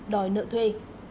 đòi nợ thuê